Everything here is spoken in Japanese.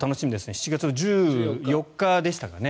７月１４日でしたかね。